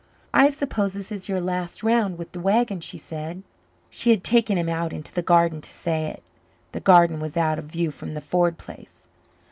"I suppose this is your last round with the wagon," she said. She had taken him out into the garden to say it. The garden was out of view from the Ford place.